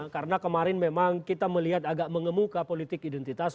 karena kemarin memang kita melihat agak mengemuka politik identitas